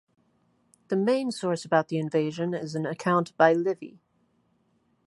The main source about the invasion is an account by Livy.